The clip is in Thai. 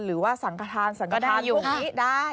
หรือว่าสังฆาธารสังฆาธารพวกนี้ได้